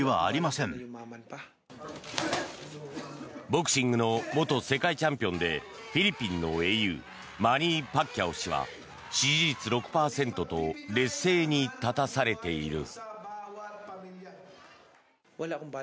ボクシングの元世界チャンピオンでフィリピンの英雄マニー・パッキャオ氏は支持率６％と劣勢に立たされている。